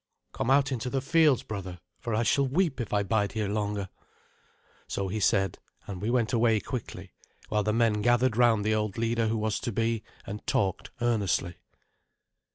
"Come out into the fields, brother, for I shall weep if I bide here longer." So he said; and we went away quickly, while the men gathered round the old leader who was to be, and talked earnestly.